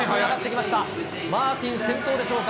マーティン、先頭でしょうか。